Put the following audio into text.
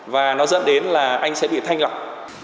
và nó dẫn đến là anh sẽ bị thanh lọc